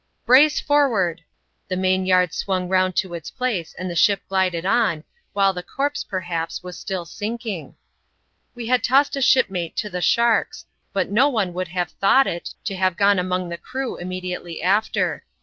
"Brace forward!" The main yard swung round to its place, and the ship glided on, while the corpse, perhaps, was still sinking. We had tossed a shipmate to the sharks, but no one would haye thought it, to have gone among the crew immediately after.